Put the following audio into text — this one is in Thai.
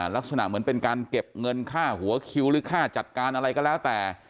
ลักษณะเหมือนเป็นการเก็บเงินค่าหัวคิวหรือค่าจัดการอะไรก็แล้วแต่